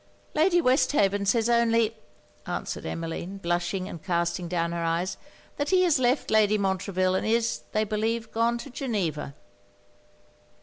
'Lady Westhaven says only,' answered Emmeline, blushing and casting down her eyes, 'that he has left Lady Montreville, and is, they believe, gone to Geneva.'